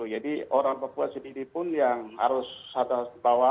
jadi orang papua sendiri pun yang harus sadar bahwa